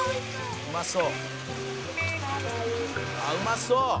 「うまそう！」